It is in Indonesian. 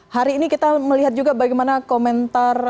hari ini kita melihat juga bagaimana komentar